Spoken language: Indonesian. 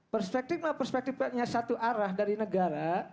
perspektif perspektifnya satu arah dari negara